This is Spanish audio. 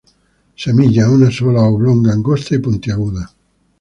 Semilla: una sola, oblonga, angosta y puntiaguda.